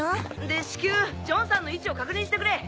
で至急ジョンさんの位置を確認してくれ。